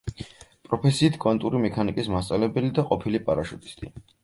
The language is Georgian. პროფესიით კვანტური მექანიკის მასწავლებელი და ყოფილი პარაშუტისტი.